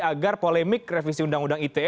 agar polemik revisi undang undang ite